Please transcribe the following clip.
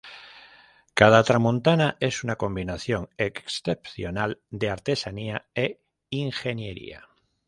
Cada Tramontana es una combinación excepcional de artesanía e ingeniería.